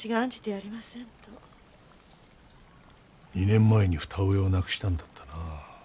２年前に二親を亡くしたんだったな。